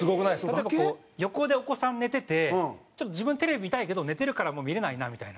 例えばこう横でお子さん寝てて自分テレビ見たいけど寝てるから見れないなみたいな。